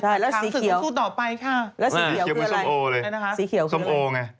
ใช่แล้วสีเขียวแล้วสีเขียวคืออะไรนั่นนะคะสีเขียวคืออะไร